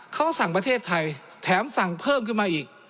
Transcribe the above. เขาสั่งประเทศไทยแถมสั่งเพิ่มขึ้นมาอีก